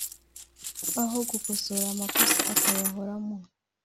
aho gukosora amakosa akayahoramo